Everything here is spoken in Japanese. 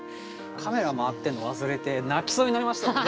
カメラ回ってんの忘れて泣きそうになりましたもん。